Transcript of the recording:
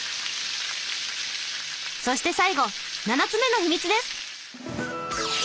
そして最後７つ目の秘密です！